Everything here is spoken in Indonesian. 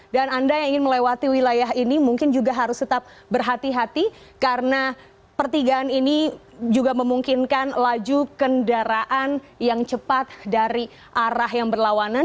dan anda yang ingin melewati wilayah ini mungkin juga harus tetap berhati hati karena pertigaan ini juga memungkinkan laju kendaraan yang cepat dari arah yang berlawanan